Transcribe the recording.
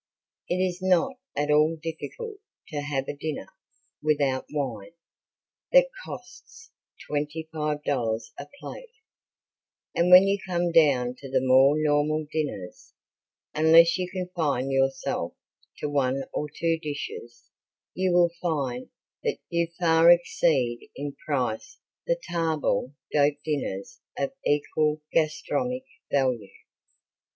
It is not at all difficult to have a dinner, without wine, that costs twenty five dollars a plate, and when you come down to the more normal dinners, unless you confine yourself to one or two dishes you will find that you far exceed in price the table d'hote dinners of equal gastronomic value.